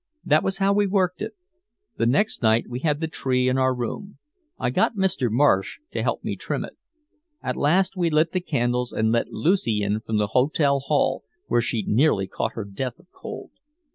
That was how we worked it. The next night we had the tree in our room. I got Mr. Marsh to help me trim it. At last we lit the candles and let Lucy in from the hotel hall, where she'd nearly caught her death of cold.